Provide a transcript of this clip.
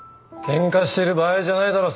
ケンカしてる場合じゃないだろ。